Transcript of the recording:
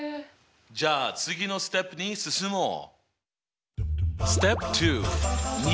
じゃあ次のステップに進もう！